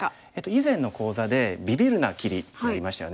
以前の講座で「ビビるな！キリ」ってやりましたよね。